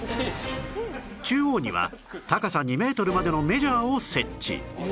中央には高さ２メートルまでのメジャーを設置